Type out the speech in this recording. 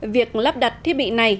việc lắp đặt thiết bị này